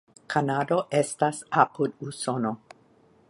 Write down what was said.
Kanado estas apud Usono.